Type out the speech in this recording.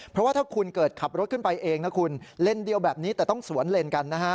เพราะว่าถ้าคุณเกิดขับรถขึ้นไปเองนะคุณเลนเดียวแบบนี้แต่ต้องสวนเลนกันนะฮะ